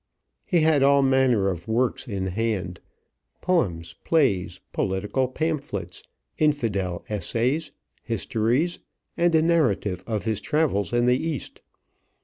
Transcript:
He had all manner of works in hand: poems, plays, political pamphlets, infidel essays, histories, and a narrative of his travels in the East.